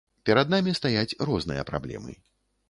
Перад намі стаяць розныя праблемы.